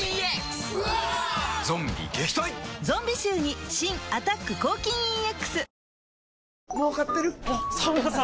ゾンビ臭に新「アタック抗菌ＥＸ」